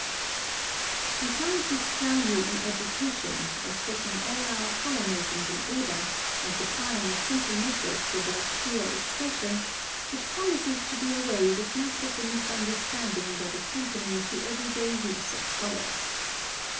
(130) Besides its value in education as setting all our color notions in order, and supplying a simple method for their clear expression, it promises to do away with much of the misunderstanding that accompanies the every day use of color.